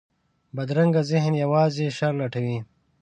بدرنګه ذهن یوازې شر لټوي